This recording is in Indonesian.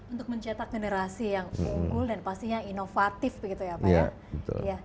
untuk mencetak generasi yang unggul dan pastinya inovatif begitu ya pak ya